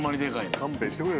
勘弁してくれよ。